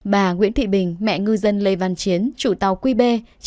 bà nguyễn thị bình mẹ ngư dân lê văn chiến chủ tàu qb